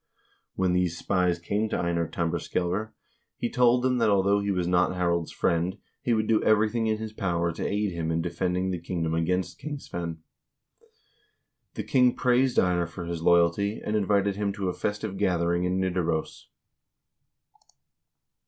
When these spies came to Einar Tambarskjaelver, he told them that 282 HISTORY OF THE NORWEGIAN PEOPLE although he was not Harald's friend, he would do everything in his power to aid him in defending the kingdom against King Svein. The king praised Einar for his loyalty, and invited him to a festive gather ing in Nidaros.